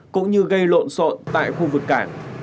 cũng như gây lộn sộn tại khu vực cảng